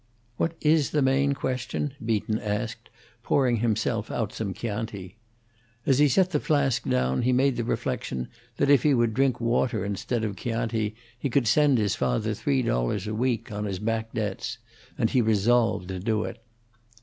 "What is the main question?" Beaton asked, pouring himself out some Chianti. As he set the flask down he made the reflection that if he would drink water instead of Chianti he could send his father three dollars a week, on his back debts, and he resolved to do it.